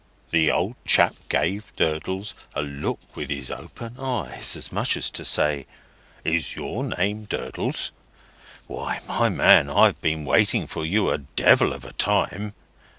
The old chap gave Durdles a look with his open eyes, as much as to say, 'Is your name Durdles? Why, my man, I've been waiting for you a devil of a time!